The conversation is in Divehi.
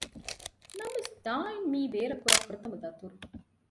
ނަމަވެސް ދާއިން މީ ބޭރަށް ކުރާ ފުރަތަމަ ދަތުރު